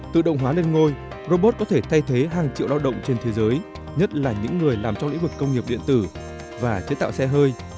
tự động hóa lên ngôi robot có thể thay thế hàng triệu lao động trên thế giới nhất là những người làm trong lĩnh vực công nghiệp điện tử và chế tạo xe hơi